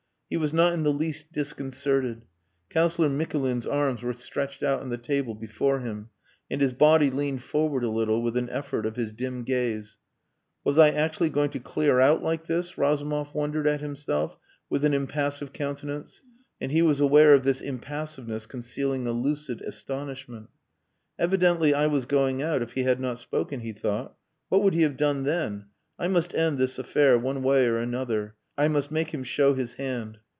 He was not in the least disconcerted. Councillor Mikulin's arms were stretched out on the table before him and his body leaned forward a little with an effort of his dim gaze. "Was I actually going to clear out like this?" Razumov wondered at himself with an impassive countenance. And he was aware of this impassiveness concealing a lucid astonishment. "Evidently I was going out if he had not spoken," he thought. "What would he have done then? I must end this affair one way or another. I must make him show his hand."